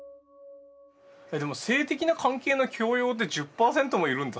でも性的な関係の強要って１０％もいるんだ！